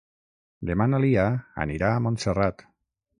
Demà na Lia anirà a Montserrat.